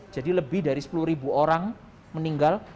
jadi lebih dari sepuluh ribu orang meninggal